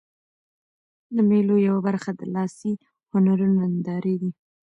د مېلو یوه برخه د لاسي هنرونو نندارې دي.